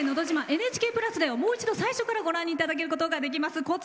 「ＮＨＫプラス」ではもう一度最初からご覧いただけることができます。